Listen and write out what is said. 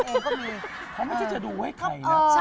ก็มีเขาไม่ใช่จะดูให้ใครนะ